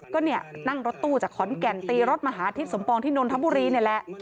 ก็เนี่ยนั่งรถตู้จากขอนแก่นตีรถมหาทิศสมปองที่นนทบุรีนี่แหละ